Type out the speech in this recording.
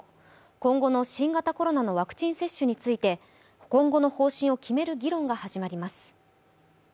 今後の新型コロナのワクチン接種について今後の方針を決める議論が始まります。